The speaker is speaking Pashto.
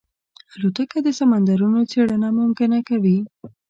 الوتکه د سمندرونو څېړنه ممکنه کوي.